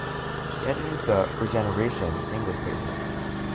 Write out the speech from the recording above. She edited the "Regeneration" English pages.